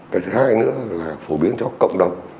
cái thứ hai nữa là phổ biến cho cộng đồng